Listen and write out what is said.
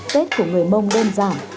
tết của người mông đơn giản